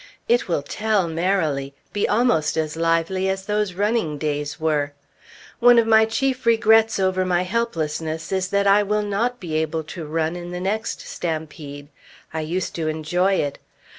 It will "tell" merrily; be almost as lively as those running days were. One of my chief regrets over my helplessness is that I will not be able to run in the next stampede. I used to enjoy it.